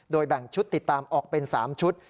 แบ่งชุดติดตามออกเป็น๓ชุด